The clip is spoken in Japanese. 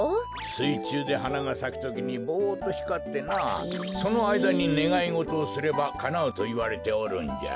すいちゅうではながさくときにぼっとひかってなあそのあいだにねがいごとをすればかなうといわれておるんじゃ。